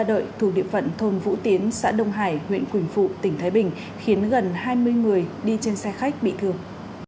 ngã ba đợi thủ địa phận thôn vũ tiến xã đông hải huyện quỳnh phụ tỉnh thái bình khiến gần hai mươi người đi trên xe khách bị thương